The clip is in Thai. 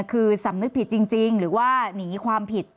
คือสำนึกผิดจริงหรือว่าหนีความผิด